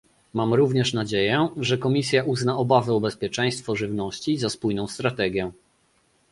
Mam również nadzieję, że Komisja uzna obawy o bezpieczeństwo żywności za spójną strategię